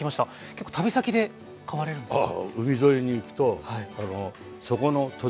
結構旅先で買われるんですか？